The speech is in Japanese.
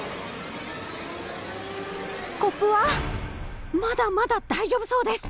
コップはまだまだ大丈夫そうです。